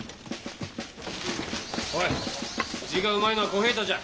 おい字がうまいのは小平太じゃ。